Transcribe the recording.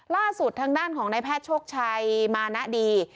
ล่าสุดทางด้านของนายแพทย์โชคชัยมานะดี